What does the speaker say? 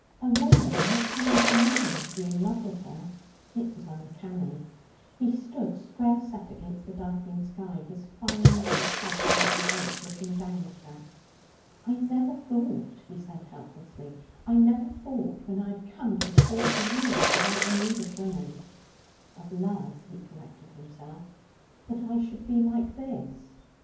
A woman not to like a man to be in love with her. It was uncanny. He stood square set against the darkening sky, his fine massive head slightly bent, looking down at her. 'I never thought,' he said helplessly 'I never thought, when I had come to forty years without the need of women' ('of love,' he corrected himself), 'that I should be like this.'